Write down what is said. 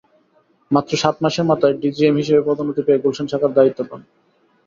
মাত্র সাত মাসের মাথায় ডিজিএম হিসেবে পদোন্নতি পেয়ে গুলশান শাখার দায়িত্ব পান।